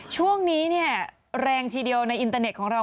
ช่วงนี้เนี่ยแรงทีเดียวในอินเตอร์เน็ตของเรา